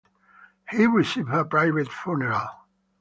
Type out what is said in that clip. He received a private funeral.